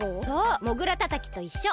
モグラたたきといっしょ！